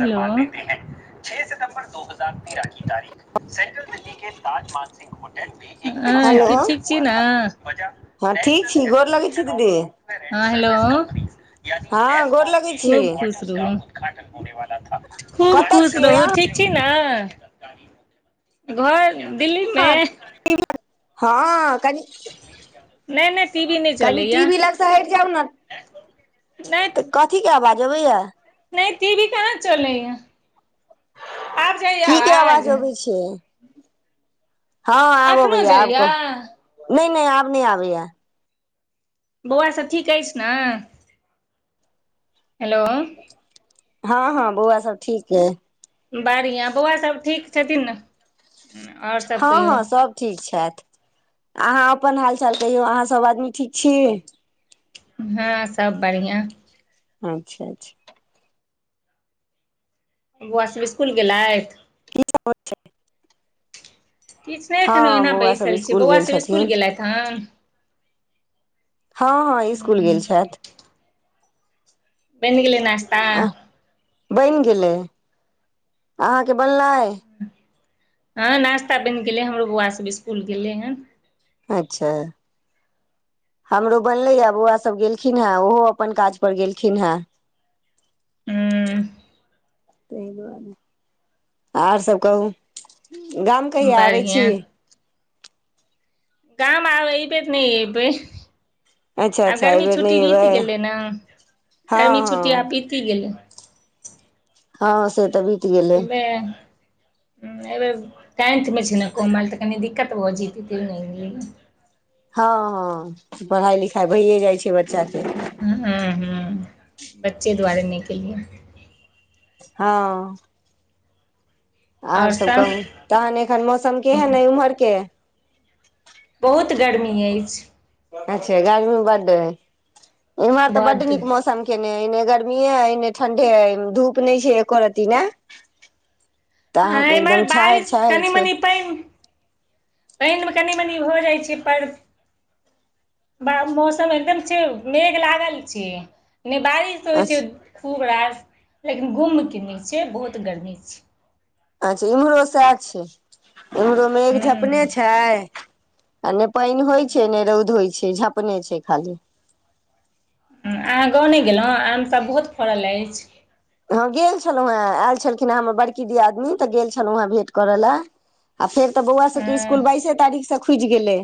Hello [unintelligible] [inaudible] अऐे hello की ठीक छी न [inaudible] हँ ठीक छी गोर लगै छी दीदी हँ हेलो हँ गोर लगै छी [inaudible] खूब कतऽ खुश छियै रहू अहाँ ठीक छी न घर दिल्ली मे [inaudible] हँ कनि नहि नहि टीवी नहि [inaudible] कनी चलैया टीवी लग स हैट जाउ न ते कथी के आवाज अबैया नइ टीवी कहाँ चलेय आब जाइयए आवाज ओह [inaudible] हँ आब अखनो आबैय आबकहु जाइया नइ नइ आब नइ आबैया बौआ सब ठीक ऐछ न हेलो हँ हँ बौआ सब ठीक एय बढ़िआ बौआ सब ठीक छथिन न हँ हँ सब ठीक छैथ अहाँ अपन हालचाल कहियौ अहाँ सब आदमी ठीक छी हँ सब बढ़िआँ अच्छा अच्छा बौआ सब इसकुल गेलेथ [inaudible] की सब होइ छै किछ नय एखन हँ ओहिना बौआ सब बैसल छी स्कुल बौआ गेल सब इसकुल छथिन गेलेथ हन हँ इसकुल गेल छैथ बैन गेले नस्ता बइन गेलै अहाँके बनलै हँ नास्ता बइन गेलै हमरो बौआसभ इसकुल गेलै हन अच्छा हमरो बनलै या बोआ सभ गेलखिन हे ओहो अपन काज पर गेलखिन हेँ [inaudible] हूँ तेइ दुआरे आर सभ कहू गाम कहिया आबै छी बढ़िआ गाम आब अइ बेर नइ अबै अच्छा आब अच्छा गर्मी एहिबेर छुट्टी नहि बीत एबै गेलै ने हँ गर्मी हँ छुट्टी आब बीति गेलै हँ से तऽ गेलै ऐमेह ऐ बेेर टेंथमे छै ने कमल तऽ कनि दिक्कत भऽ जेतै तै नइ एलिए हँ हँ पढ़ाइ लिखाइ भइए जाइ छै बच्चाके हूँ हूँ बच्चे दुआरे नइ कलियै हँ आर सब कहू तहन एखन मौसम केहन ए उम्हर के बहुत गर्मी ऐछ अच्छा गर्मी बड्ड इमहर तऽ बड्ड नीक मौसम केनेये एने गर्मीए एने ठंढे धूप नइ छै एको रति ने तऽ हँ अहाँके एम्हर एकदम छाहरि बइस छाहरि कनि छै मनी पैन पइनमे कनि मनि भऽ जाइ छै पर ब मौसम एकदम छै मेघ लागल छै ने बारिश हो छै अच्छा खूब रास लेकिन गुम के न छै बहुत गर्मी छै अच्छा इम्हरो सएह छै इम्हरो मे एक हूँ झपने छै आ नहि पानि होइ छै नहि रौद होइ छै झाँपने छै खाली अहाँ गाँव नहि गेलहुँ आमसब बहुत फड़ल अछि हँ गेल छलहुँ हेँ आयल छलखिन हेँ हमर बड़की दीयादनी तऽ गेल छलहुँ हेँ भेँट करय लए आ फेर तऽ बौआ सबके स्कुल हँ बाइसे तारीख से खुजि गेले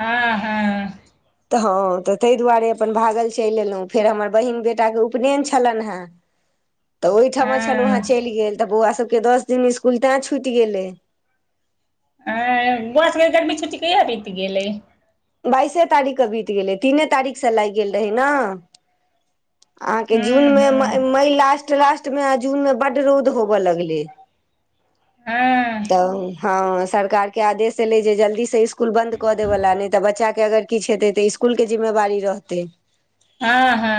आ हँ तऽ हँ तऽ ताहि दुआरे अपन भागल चलि एयलहुँ फेर हमर बहिन बेटाके उपनयन छलनि हेँ [unintelligible] तऽ ओहिठाम छलहुँ हेँ चलि गेल तऽ बौआ सभके दस दिन स्कुल तैं छूटि गेलै आ बौआ सबके गर्मी छुट्टी कहिया बित गेलै बाइसे तारीखके बीत गेलै तीने तारीख से लागि गेल रहै ने अहाँके हूँ जूनमे हूँ मई लास्ट लास्टमे आ जूनमे बड्ड रौद होबय लगलै हँ तऽ हँ सरकारके आदेश एलै जे जल्दीसँ इस्कुल बंन्द कऽ देवला नहि तऽ बच्चाके अगर किछु हेतै तऽ इसकुल के जिम्मेवारी रहतै ह हँ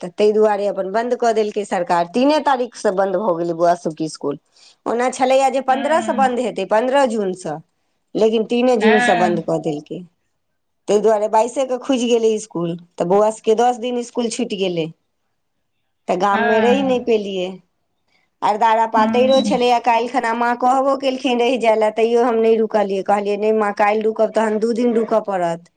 तऽ ताहि दुआरे अपन बन्द कऽ देलकै सरकार तीने तारीखसँ बन्द भऽ गेलै बआसभके इसकुल ओना छलैए जे पन्द्रहसँ हूँ बन्द हेतै पन्द्रह जूनसँ लेकिन तीने जून से हँ बंद कऽ देलकै ताहि दुआरे बाइसे के खुजि गेलै स्कुल तऽ बौआ सब के दस दिन इस्कुल छुटि गेलै तऽ गाम मे रहि हँ नहि पेलियै आर दारा पातरिरो हूँ छलैय कालहि खना माँ कहबो रुकेलखिन रहि जाय लए तैयो हम नहि रुकलियै कहलियै नहि माँ काल्हि रुकब तहन दू दिन रुकय पड़त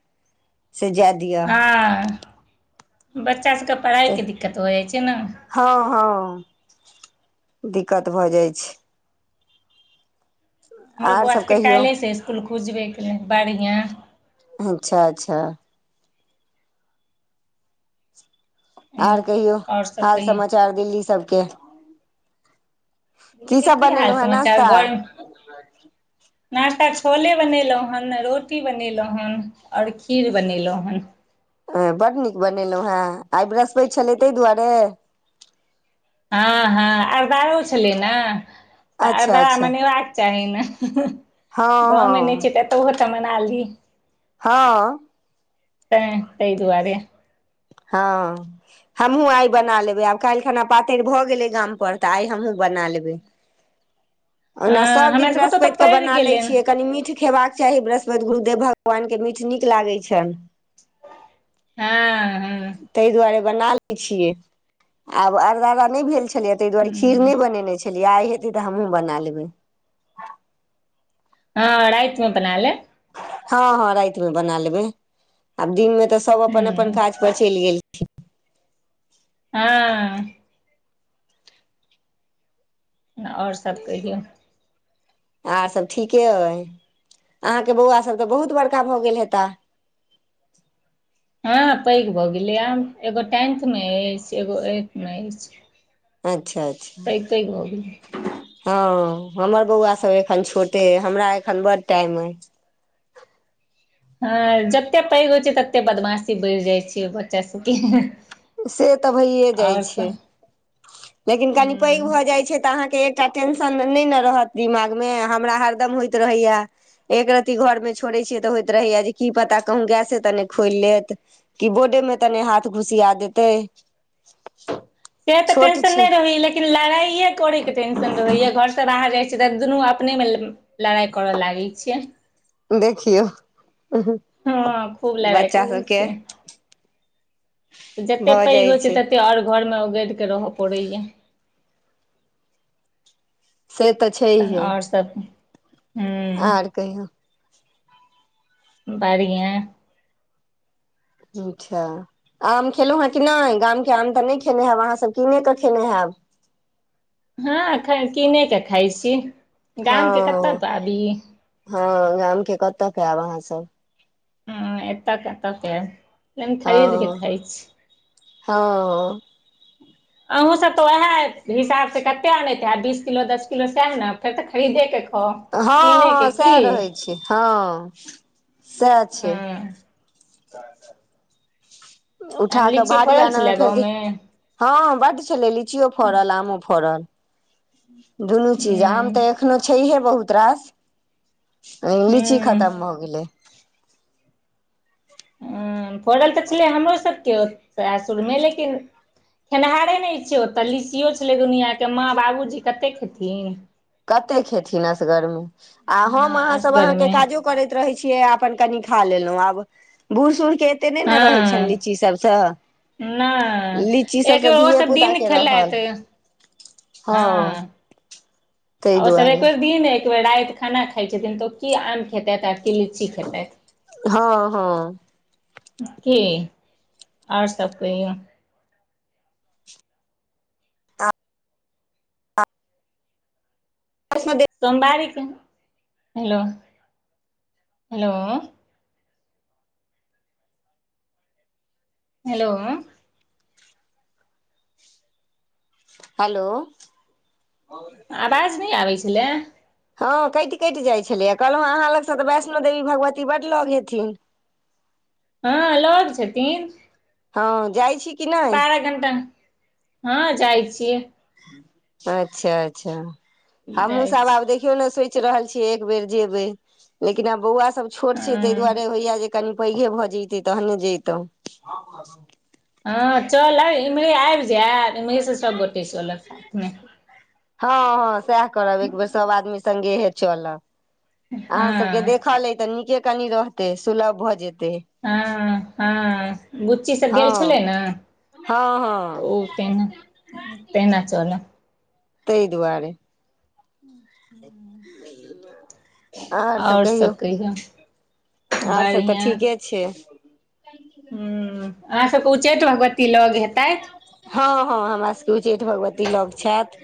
से जा हँ बच्चा सबके तऽ पढ़ाइके दिक्कत हो जाइ छै ने हँ हँ दिक्कत भऽ जाइ छै हमरो आर सब बौआके कहियौ काल्हिए से इसकुल खुजबे खेलैत बढ़िआँ अच्छा अच्छा आर हम्म, कहियौ आओर सब हाल कहियौ समाचार दिल्ली सबके दिल्ली सब क की हाल बनेलहुँ हेँ समाचार नास्ता घरमे नश्ता छोले बनेलहुँ हँन रोटी बनेलहुँ हँन आओर खीर बनेलहुँ हँन हँ बड्ड नीक बनेलहुँ हेँ आइ बेरसपैत छलै ताहि दुआरे हँ हँ अरदारो छलै ने तऽ आर अच्छा दारा अच्छा मनेबाक चाही न हँ गाँवमे नहि हँ छै तऽ एतहु तऽ मना ली हँ तऐ दुआरे हँ हमहूँ आइ बना लेबै आब काल्हि खना पातरि भऽ गेलै गाम पर तऽ आइ हमहूँ बना लेबै [unintelligible] ओना सभ हमरा दिन सबके तऽ ओतऽ बृहस्पतिक के पड़ि बना गेलै लेबै हँ छियै कनि मीठ खेबाक चाही बृहस्पति गुरुदेव भगवान के मीठ नीक लागैत छनि हँ ह ताहि दुआरे बना लेबै छियै आब आरदारानहि भेल छै छलियै ताहि दुआरे खीर हूँ नहि बनेने छलियै आइ हेतै तऽ हमहहुँ बना लेबै ह राइत मे बना ले हँ हँ राति मे बना लेबे आब दिन मे तऽ सभ अपन अपन हँ काज पर चलि गेल ह आओर सभ कहियौ आर सभ ठीके आइ अहाँकेँ बौआ सभ तऽ बहुत बड़का भऽ गेल हेता ह पैघ भऽ गेलै आब एगो टेथमे अछि एगो एथ मे अछि अच्छा अच्छा। त तैबी ह हमर बौआसभ एखन छोटे आइ हमरा एखन बड टाइम आइ ह जतेक पैघ होई छै ततेक बदमाशी बढ़ि जाइत छै बच्चा सभके से तऽ भइए जाइ छै लेकिन कनी पैघ हूं भऽ जाइ छै तऽ अहाँकेँ एक एकटा टेशन नहि ने रहत दिमाग मे हमरा हरदम होइत रहैया एक रती घरमे छोड़ैत छियै तऽ होइत रहैया जे कि पता कहूँ गैसे तऽ नहि खोलि लेत कऽ बोर्डे मे तनि हाथ घुसिया देतै से तऽ टेन छोट छै नहि रहै लेकिन लेकिन लड़ाइयए करड़ैके टेशन रहैय घरसँ बाहर जाइ छी तऽ दुनू अपने मे लड़ाई करऽ लागैत छिय देखियौ। हँ खूब लड़ाई बच्चा करै सबके छियै जते भऽ पैघ जाइ हो छै तते और घर मे उगड़ के रहय पड़ैया से त छै तहन ओर सभ आर कहियौ। बढ़िआ अच्छा। आम खेलहुँ हे कि नहि गाम के आम तऽ नहि खेने हेब अहाँ सभ कीने कऽ खेने हैब ह कीने कऽ खाई छी ह गामके कतऽ के आबी ह गाम के कतऽ के आयब अहाँ सभ ह एत तऽ ह ह अहूँ सभ तऽ उएह हिसाबसँ कतेक अनतै आब बीस किलो दस किलो सएह ने फेर तऽ खरीदे के खाउ हँ किने के हँ की सएह रहै छै ह सएह छै हँ [inaudible] उठा कऽ लीची भार फड़ल आना मे छलै फेर। गाँवमे हँ बड़ छलै लीचियो हूँ फड़ल आमो फड़ल दुनू चीज आम तऽ एखनो छै हे बहुत रास लीची हूँ खतम हो गेले हैं फड़ल तऽ छलै हमरो सभके सासुरमे लेकिन खेनिहारे नहि छै ओतऽ लीचियो छलै दुनिआ के माँ बाबूजी कतेक खेथिन कते खेथिन असगर मे आ हम हँ अहाँ सभ अहाँकेँ असगरमे काजू करैत रहै छियै अपन कनि खा लेलहुँ आब बूढ़ सूढ़ के एते नहि ने रहै हँ छनि लीची सभसँ लीची नहि सभसँ एको ओ धिये सभ दिन पुताके रहल खेलत हँ ह ताहि आ ओसभ एक दुआरे बेेर दिन एक बेर राति खाना खाइत छथिन तऽ ओ की आम खेतथि आ की लीची खेतैथ हँ हँ की आओर सब कहियो [unintelligible] दे। सोमवार के हेलो हेलो। हेलो। हेलो। आवाज नहि आबै छलैय। हँ कटि कटि जाइत छलैए कहलहुँ अहाँ लगसँ तऽ वैष्णो देवी भगवती बड लग हेथिन। हँ लग छथिन। हँ जाइ छी। कि नहि बारह घण्टा हँ जाइ छियै। अच्छा अच्छा हमहुँ जाइ सब छी आब देख। देखियो ने सोचि रहल छियै एक बेर जेबे लेकिन आब बौआ सब छोट छै ताहि हँ दुआरे होइय जे। कनि पैघे भऽ जते तहने जेतहु। हँ चलब इम्हरे आबि जायब इमहरे से सबगोटे चलब साथमे। हँ हँ सएह करब एक बेर सभ आदमी सगहे चलब। अहाँ सबके हँ देखल अइ तऽ नीके कनि रहतै सुलभ भऽ जेतै। हँ- हँ। बुच्ची सब हँ गेल छलै नऽ हँ तऽ हँ ओ तेहिना तहिना चलऽ। तहे दुआरे। [inaudible] आर सब कहियौ आर सब तऽ ठीके छै। छैय। हु अहाँ सबके उच्चैठ भगवती लग हेतैथ हँ- हँ हमरा सबके उच्चैठ भगवती लग छैथ।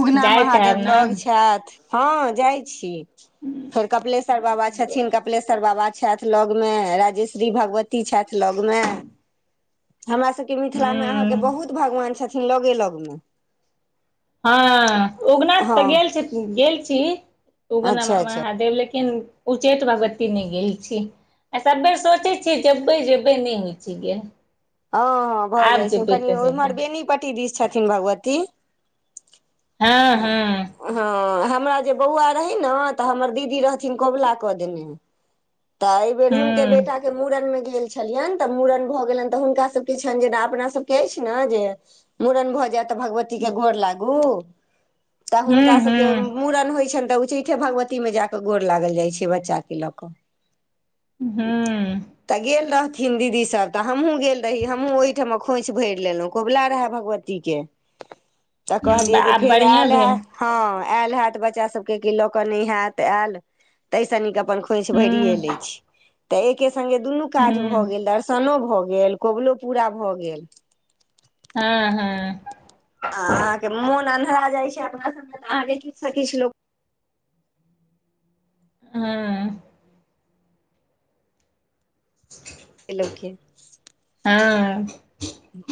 उगना जाइत हैब महादेव ने लग छैथ हँ जाइ छी। फेर कपिलेश्वर बाबा छथिन कपिलेश्वर बाबा। छेथ लग मे राजेश्व्री भगवती लग मे हमरा सब। मिथिला मे अहाँके हूँ बहुत भगवान छथिन लगे लग मऽ '। हँ उगना तऽ गेल छी गेल छी। उगना अच्छा अच्छा महादेव लेकिन उच्चैठ भगवती नहि गेल छी। सब बेर सोचै छियै जेबै जेबै नहि होइ छै गेल। हँ हँ भऽ आब जाइ छै जेबै कनि तऽ जेबै उम्हर बेनीपट्टी दिश छथिन भगवती। हँ -हँ हँ हमरा जे बौआ रहै नऽ तऽ हमर दीदी रहथिन कबुला कऽ देने। तऽ एहि बेर हुनके हूँ बेटा के मूड़न मे गेल छलियनि तऽ मूड़न भऽ गेलनि। तऽ हुनका सभके छनि जे अपना सबके अछि नऽ जे। मूड़न भऽ जाय तऽ भगवतीके गोर लागू तऽ हुनका सभके। हूँ मूड़न होइ छनि तऽ उच्चैठे भगवती मे जा कऽ गोर लागल जाइ छै बच्चा कऽ लऽ कऽ। हूँ हूँ तऽ गेल रहथिन दीदी सब तऽ हमहूँ। गेल रही हमहुँ ओहिठमा खोंइछि भरि लेलहुँ कबुला रहै भगवती के। तऽ कहलियै जे आब फेर बढ़िआँ आयल। भेल हँ आयल हायत बच्चा सब के कऽ लऽ के नहि हयत आयल तैसय निक। अपन खोंईछी भरिे ले हूँ छी ते एके संगगे दुनू काज हूँ भए गेल दर्शनो भऽ गेल। कबलो पूरा भऽ गेल। ह ह आ अहाँकेँ मोन अन्धहरा जाय छै अपना सभ मे त अहाँकेँ किछु से किछु लोक। ह [inaudible] भेलो कि ह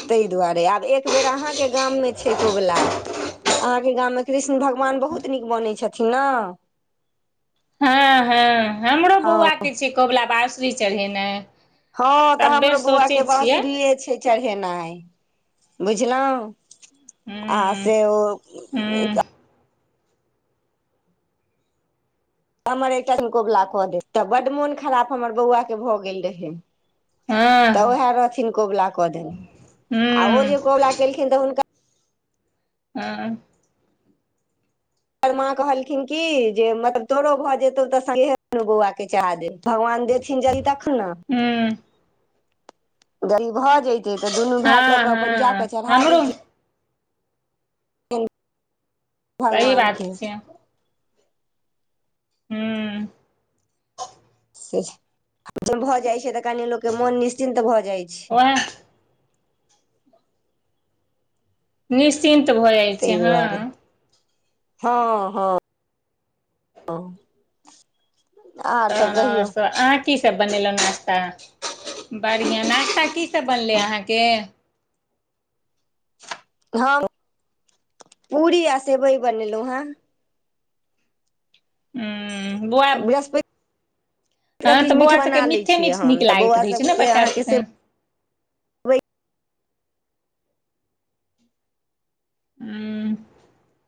ताहि दुआरे आब एक बेर अहाँकेँ गाम मे छै कबुला। अहाँकेँ गाम मे कृष्ण भगवान बहुत नीक बनै छथिन न ह ह हमरो हँ बौआ के छै कबुला बासुरी चढ़ेनाइ हँ तऽ सब बेर हमरो बौआ सोचै के छियै बाँसुरी ये छै चढ़ेनाइ बुझलु आ हूँ से ओ हूँ ईटा। हमर एकटा हम कबुला कऽ देब तऽ बड्ड मोन खराब हमर बौआ के भऽ गेल रहै हँ तऽ उएह रहथिन कबुला कऽ देने ओ हूँ जे कबुला केलखिन तऽ हुनका हू माँ कहलखिन की जे मतलब तोरो भऽ जेतौ तऽ सगे बौआ खीचा जेते भगवान देथिन जल्दी तखन नै ह भऽ जैतै तऽ दुनू भाय के लऽ हँ कऽ अपन हँ जाक चढ़ा हमरो देतै सही भगवान के बात छै। हूँ से भऽ जाइत छै तऽ कनि लोक के मोन निश्चिन्त भऽ जाइ छै ओएह निश्चिन्त भऽ जाय छै तैह दुवारे हँ ह ह ओ। तऽ नै सए अहाँ के कि सभ बनेलउ नास्ता बढ़िया नास्ता कि सभ बनलै अहाँकेँ हम पूरी आ सेवई बनेलहुँ हन हू बुआ बृहस्पति ह के तऽ किछु मीठ बौआ सभके बना लै मीठे छियै मिठ हम नीक तऽ लागैत बौआ रहै छै ने सबके बच्चा अहाँके सभके सेवइ हू